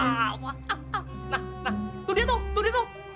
nah tuh dia tuh tuh tuh